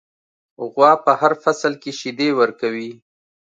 غوا په هر فصل کې شیدې ورکوي.